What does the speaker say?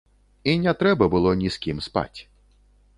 І не трэба было ні з кім спаць.